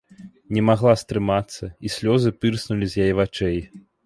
Не магла стрымацца, і слёзы пырснулі з яе вачэй.